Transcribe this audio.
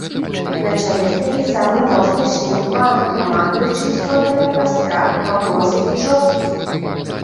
На чале стаіць самы моцны член клана, камандуючы істотамі праз страх, пагрозы і жорсткасць.